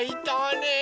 ねえ。